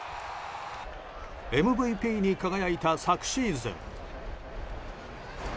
ＭＶＰに輝いた昨シーズン。